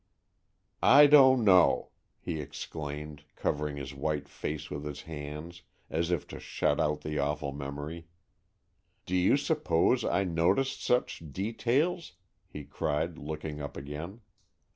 "I don't know!" he exclaimed, covering his white face with his hands, as if to shut out the awful memory. "Do you suppose I noticed such details?" he cried, looking up again.